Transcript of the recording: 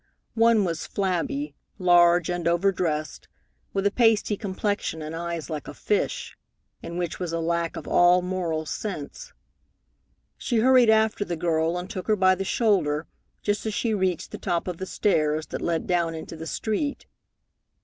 One was flabby, large, and overdressed, with a pasty complexion and eyes like a fish, in which was a lack of all moral sense. She hurried after the girl and took her by the shoulder just as she reached the top of the stairs that led down into the street.